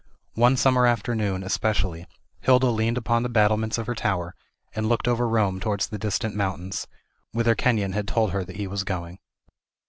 One summer afternoon, especially, Hilda leaned upon the battlements of her tower, and looked over Rome towards the distant mountains, whither Kenyon had told her that he was going.